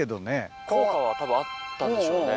効果はたぶんあったんでしょうね。